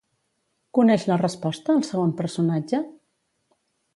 Coneix la resposta, el segon personatge?